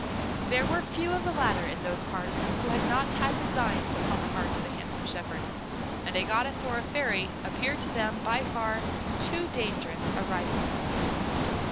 There were few of the latter in those parts who had not had designs upon the heart of the handsome shepherd, and a goddess or a fairy appeared to them by far too dangerous a rival.